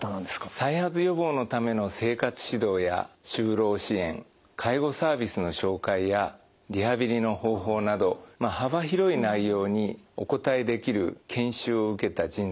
再発予防のための生活指導や就労支援介護サービスの紹介やリハビリの方法など幅広い内容にお答えできる研修を受けた人材です。